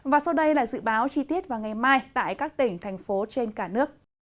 và sau đây là dự báo chi tiết vào ngày mai tại các tỉnh thành phố trên cả nước